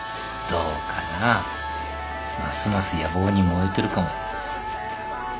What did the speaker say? どうかなますます野望に燃えてるかも。